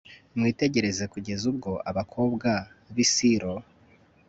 mwitegereze kugeza ubwo abakobwa b'i silo